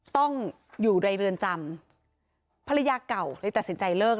ต้องอยู่ในเรือนจำภรรยาเก่าเลยตัดสินใจเลิก